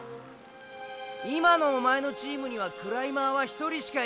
今のおまえのチームにはクライマーは１人しかいない！